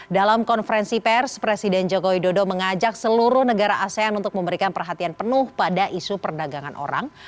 dalam konferensi pers presiden jokowi dodo mengajak seluruh negara asean untuk memberikan perhatian penuh pada isu perdagangan orang